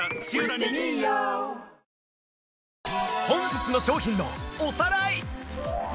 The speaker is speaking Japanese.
本日の商品のおさらい